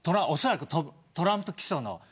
トランプ起訴の。